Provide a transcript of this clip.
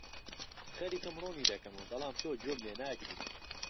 خەریکم ڕوونی دەکەمەوە، بەڵام تۆ گوێم لێ ناگریت.